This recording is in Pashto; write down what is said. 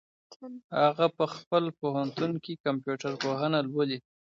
هغه په خپل پوهنتون کي کمپيوټر پوهنه لولي.